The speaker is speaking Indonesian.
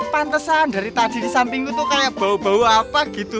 pantesan dari tadi di samping itu kayak bau bau apa gitu